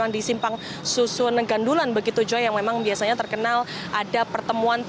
dan ada kaya salu